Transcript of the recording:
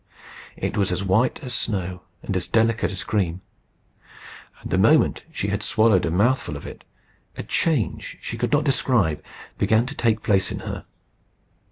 It was as white as snow, and as delicate as cream. And the moment she had swallowed a mouthful of it, a change she could not describe began to take place in her.